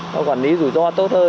nó quản lý rủi ro tốt hơn